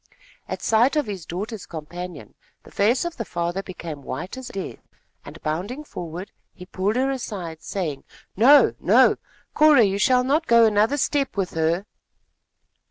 At sight of his daughter's companion, the face of the father became white as death, and, bounding forward, he pulled her aside, saying: "No, no! Cora, you shall not go another step with her!"